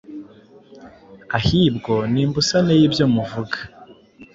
ahibwo ni imbusane y’ibyo muvuga,